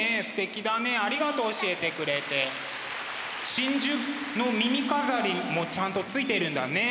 真珠の耳飾りもちゃんとついてるんだね。